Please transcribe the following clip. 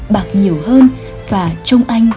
bạc nhiều hơn và trông anh